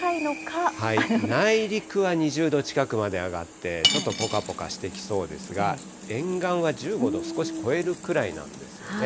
内陸は２０度近くまで上がって、ちょっとぽかぽかしてきそうですが、沿岸は１５度を少し超えるくらいなんですよね。